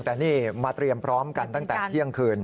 แต่นี่มาเตรียมพร้อมกันตั้งแต่เที่ยงคืน